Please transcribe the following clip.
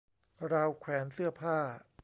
ราวแขวนเสื้อผ้า